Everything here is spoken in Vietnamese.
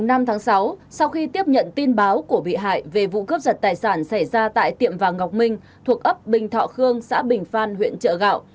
ngày năm tháng sáu sau khi tiếp nhận tin báo của bị hại về vụ cướp giật tài sản xảy ra tại tiệm vàng ngọc minh thuộc ấp bình thọ khương xã bình phan huyện chợ gạo